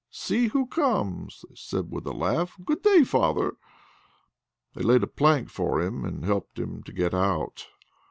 "See who comes!" they said with a laugh. "Good day, father!" They laid a plank for him and helped him to get out.